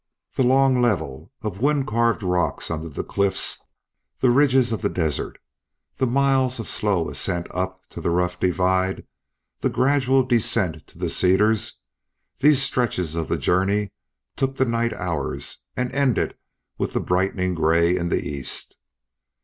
The long level of wind carved rocks under the cliffs, the ridges of the desert, the miles of slow ascent up to the rough divide, the gradual descent to the cedars these stretches of his journey took the night hours and ended with the brightening gray in the east.